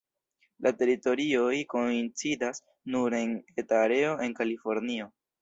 La teritorioj koincidas nur en eta areo de Kalifornio.